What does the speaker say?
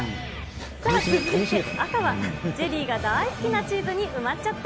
さあ、続いて赤は、ジェリーが大好きなチーズに埋まっちゃった！